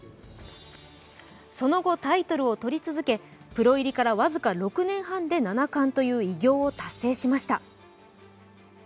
その後、タイトルをとり続け、プロ入りから僅か６年半で七冠という偉業を達成しました。